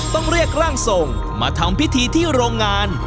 ต้องเรียกร่างทรงมาทำพิธีที่โรงงาน